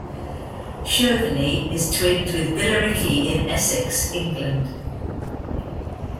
Chauvigny is twinned with Billericay in Essex, England.